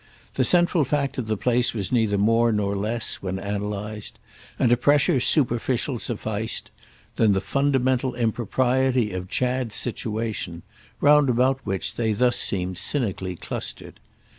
The central fact of the place was neither more nor less, when analysed—and a pressure superficial sufficed—than the fundamental impropriety of Chad's situation, round about which they thus seemed cynically clustered.